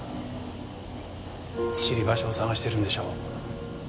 散り場所を探しているんでしょう？